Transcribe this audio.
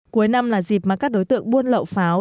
cuối năm là dịp mà các đối tượng buôn lậu pháo